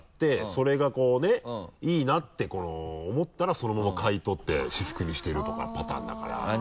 それがこうねいいなって思ったらそのまま買い取って私服にしてるとかパターンだから。